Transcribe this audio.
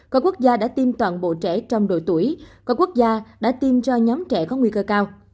có quốc gia đã tiêm toàn bộ trẻ trong độ tuổi có quốc gia đã tiêm cho nhóm trẻ có nguy cơ cao